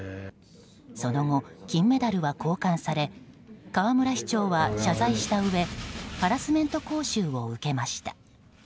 その後、金メダルは交換され河村市長は謝罪したうえハラスメント講習を受けました。